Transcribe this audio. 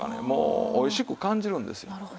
もうおいしく感じるんですよ。